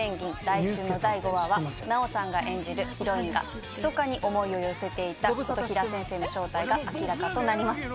来週の第５話は奈緒さんが演じるヒロインがひそかに思いを寄せていた琴平先生の正体が明らかとなります。